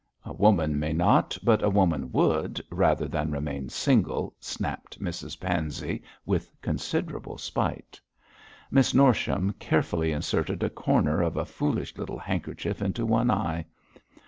'A woman may not, but a woman would, rather than remain single,' snapped Mrs Pansey, with considerable spite. Miss Norsham carefully inserted a corner of a foolish little handkerchief into one eye.